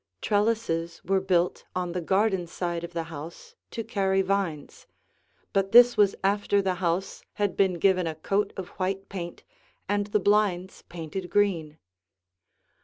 Trellises were built on the garden side of the house to carry vines, but this was after the house had been given a coat of white paint and the blinds painted green.